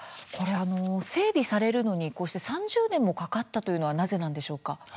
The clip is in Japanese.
整備されるのに、こうして３０年もかかったというのはなぜなんでしょうか。